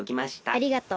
ありがとう。